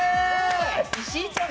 石井ちゃん